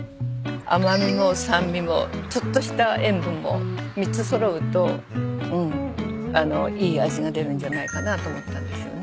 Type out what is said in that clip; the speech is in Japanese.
甘味も酸味もちょっとした塩分も３つ揃うといい味が出るんじゃないかなと思ったんですよね。